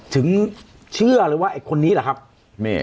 ถึงเชื่อเลยว่าไอ้คนนี้แหละครับ